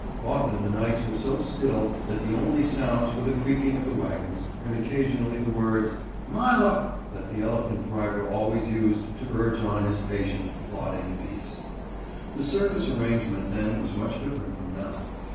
Often the nights were so still that the only sounds were the creaking of the wagons, and occasionally the words, "Mile up," that the elephant driver always used to urge on his patient, plodding beast. The circus arrangement then was much different from now.